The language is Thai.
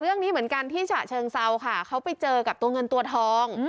เรื่องนี้เหมือนกันที่ฉะเชิงเซาค่ะเขาไปเจอกับตัวเงินตัวทอง